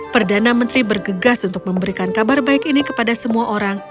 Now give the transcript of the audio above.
perdana menteri bergegas untuk memberikan kabar baik ini kepada semua orang